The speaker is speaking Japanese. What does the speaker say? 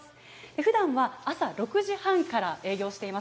ふだんは朝６時半から営業しています。